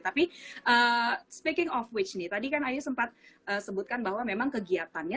tapi speaking of with nih tadi kan ayu sempat sebutkan bahwa memang kegiatannya